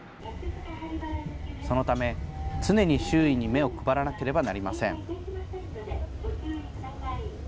そのため、常に周囲に目を配らなければなりません。